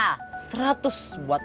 nah teman wiel quatro